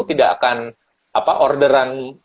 tidak akan apa orderan